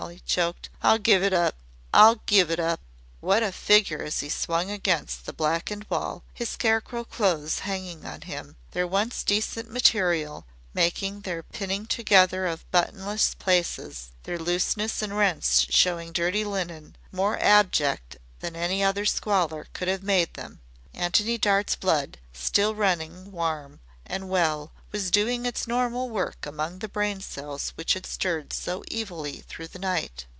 he choked. "I'll give it up! I'll give it up!" What a figure what a figure, as he swung against the blackened wall, his scarecrow clothes hanging on him, their once decent material making their pinning together of buttonless places, their looseness and rents showing dirty linen, more abject than any other squalor could have made them. Antony Dart's blood, still running warm and well, was doing its normal work among the brain cells which had stirred so evilly through the night.